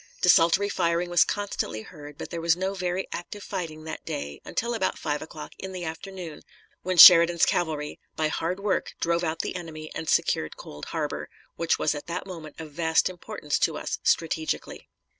Desultory firing was constantly heard, but there was no very active fighting that day until about five o'clock in the afternoon, when Sheridan's cavalry, by hard work, drove out the enemy and secured Cold Harbor, which was at that moment of vast importance to us strategically.